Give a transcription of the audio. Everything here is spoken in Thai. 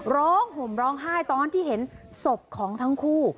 ห่มร้องไห้ตอนที่เห็นศพของทั้งคู่